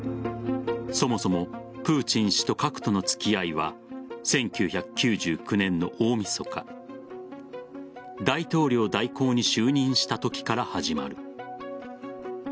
そもそもプーチン氏と核との付き合いは１９９９年の大晦日大統領代行に就任したときから始まる。